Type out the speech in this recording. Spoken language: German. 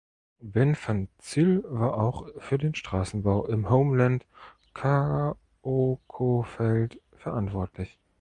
Ben van Zyl war auch für den Straßenbau im Homeland Kaokoveld verantwortlich.